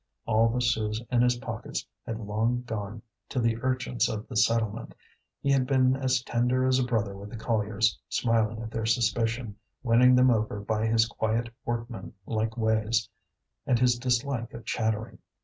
All the sous in his pockets had long gone to the urchins of the settlement; he had been as tender as a brother with the colliers, smiling at their suspicion, winning them over by his quiet workmanlike ways and his dislike of chattering.